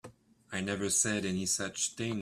I never said any such thing.